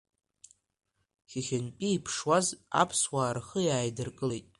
Хыхьынтәи иԥшуаз аԥсуаа рхы ааидыркылеит.